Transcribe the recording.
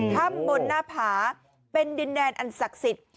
ถ้ำบนหน้าผาเป็นดินแดนอันศักดิ์สิทธิ์